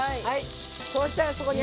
そうしたらここに。